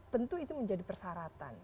tentu itu menjadi persyaratan